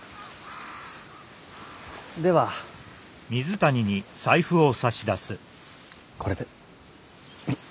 ではこれで。